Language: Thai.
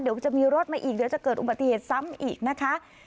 เดี๋ยวจะมีรถมาอีกเดี๋ยวจะเกิดอุบัติเหตุซ้ำอีกนะคะ